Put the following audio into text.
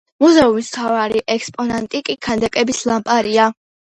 მუზეუმის მთავარი ექსპონატი, კი ქანდაკების ლამპარია.